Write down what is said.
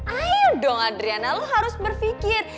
hmm dong adriana lo harus berpikir